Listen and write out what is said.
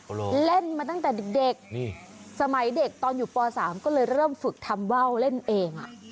เล่นมาตั้งแต่เด็กนี่สมัยเด็กตอนอยู่ป๓ก็เลยเริ่มฝึกทำว่าวเล่นเองอ่ะ